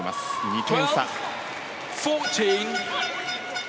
２点差。